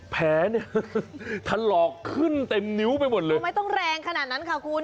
แผลเนี่ยถลอกขึ้นเต็มนิ้วไปหมดเลยทำไมต้องแรงขนาดนั้นค่ะคุณ